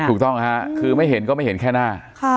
ถูกต้องค่ะคือไม่เห็นก็ไม่เห็นแค่หน้า